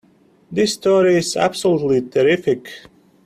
This story is absolutely terrific!